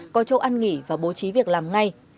có chỗ ăn nghỉ và bố trí việc làm ngay